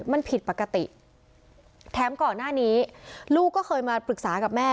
มันผิดปกติแถมก่อนหน้านี้ลูกก็เคยมาปรึกษากับแม่